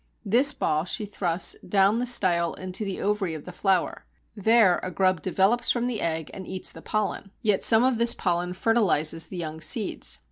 This ball she thrusts down the style into the ovary of the flower. There a grub develops from the egg and eats the pollen, yet some of this pollen fertilizes the young seeds.